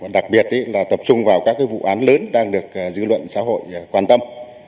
đặc biệt là tập trung vào các vụ án lớn đang được dư luận xã hội quan tâm